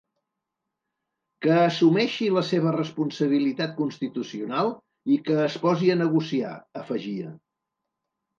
Que assumeixi la seva responsabilitat constitucional i que es posi a negociar, afegia.